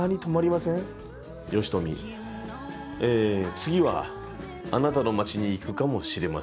次はあなたの町に行くかもしれません。